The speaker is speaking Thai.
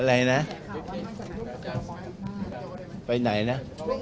อะไรนะไปไหนนะ